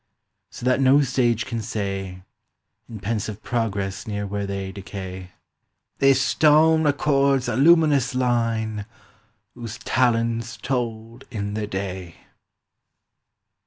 So that no sage can say In pensive progress near where they decay, "This stone records a luminous line whose talents Told in their day."